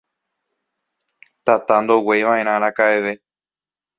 Tata ndogueivaʼerã arakaʼeve.